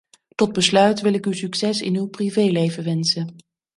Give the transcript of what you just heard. Tot besluit wil ik u succes in uw privé-leven wensen.